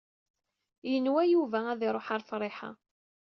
Yenwa Yuba ad iṛuḥ ar Friḥa.